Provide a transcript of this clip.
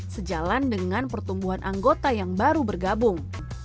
sejalan dengan pertumbuhan anggota yang baru bergabung